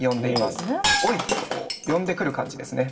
「おい！」とこう呼んでくる感じですね。